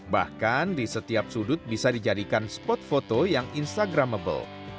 bahkan di setiap sudut bisa dijadikan spot foto yang instagramable